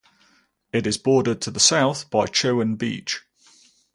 It is bordered to the south by Chowan Beach.